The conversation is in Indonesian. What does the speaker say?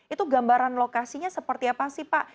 itu gambaran lokasinya seperti apa sih pak